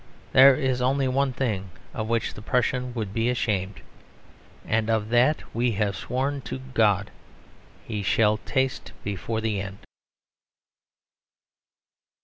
There is only one thing of which the Prussian would be ashamed; and of that, we have sworn to God, he shall taste before the end.